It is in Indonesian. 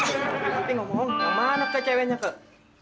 nanti ngomong kemana ke ceweknya kak